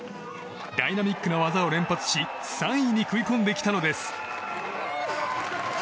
ダイナミックな技を連発し３位に食い込んできたのです。